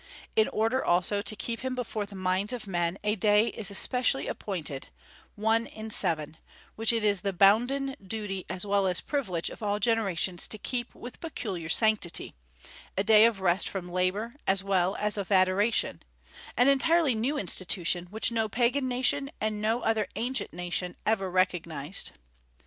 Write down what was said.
In order also to keep Him before the minds of men, a day is especially appointed one in seven which it is the bounden duty as well as privilege of all generations to keep with peculiar sanctity, a day of rest from labor as well as of adoration; an entirely new institution, which no Pagan nation, and no other ancient nation, ever recognized.